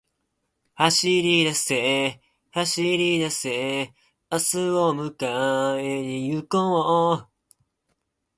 走りだせ、走りだせ、明日を迎えに行こう